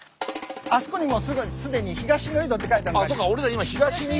あそこにもう既に東の井戸って書いてあるのが。